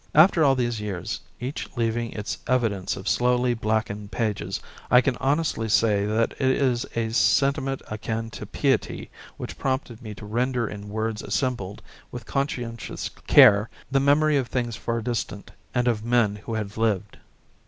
After all these years, each leaving its evidence of slowly blackened pages, I can honestly say that it is a sentiment akin to piety which prompted me to render in words assembled with conscientious care the memory of things far distant and of men who had lived.